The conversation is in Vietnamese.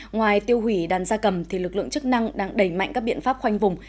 ngoài tiêu hủy đàn gia cầm lực lượng chức năng đang đẩy mạnh các biện pháp khoanh vùng